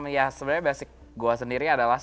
ya sebenarnya basic gue sendiri adalah